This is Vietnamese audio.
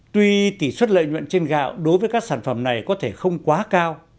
tuy tỷ suất lợi nhuận trên gạo đối với các sản phẩm này có thể không quá cao